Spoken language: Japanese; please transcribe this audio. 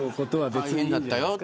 大変だったよと。